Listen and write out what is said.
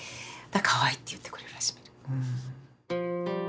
かわいいって言ってくれ始める。